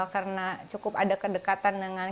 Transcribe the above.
karena cukup ada kedekatan dengan